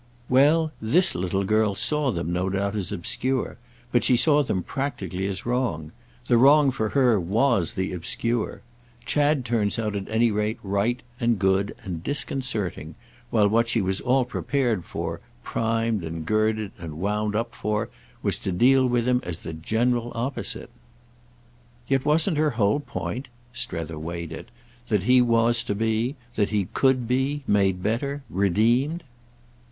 "Well, this little girl saw them, no doubt, as obscure, but she saw them practically as wrong. The wrong for her was the obscure. Chad turns out at any rate right and good and disconcerting, while what she was all prepared for, primed and girded and wound up for, was to deal with him as the general opposite." "Yet wasn't her whole point"—Strether weighed it—"that he was to be, that he could be, made better, redeemed?"